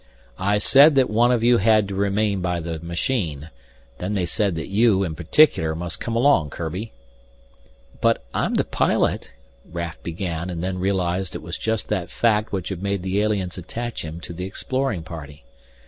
"I said that one of you had to remain by the machine. Then they said that you, in particular, must come along, Kurbi." "But I'm the pilot " Raf began and then realized that it was just that fact which had made the aliens attach him to the exploring party.